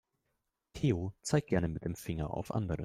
Theo zeigt gerne mit dem Finger auf andere.